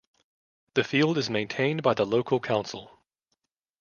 The field is maintained by the local council.